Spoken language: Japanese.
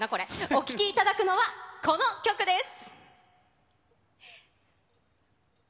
お聴きいただくのは、この曲です。